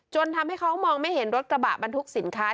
ทำให้เขามองไม่เห็นรถกระบะบรรทุกสินค้า